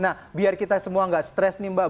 nah biar kita semua nggak stres nih mbak